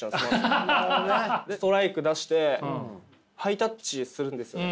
ストライク出してハイタッチするんですよ。